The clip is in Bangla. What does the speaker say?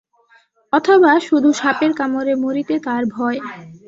অথবা শুধু সাপের কামড়ে মরিতে তাঁর ভয়!